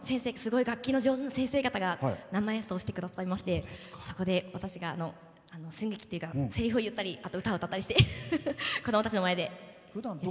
楽器の上手な先生方が生演奏してくださいましてそこで私が寸劇っていうかせりふを言ったり歌を歌ったりして子どもたちの前で。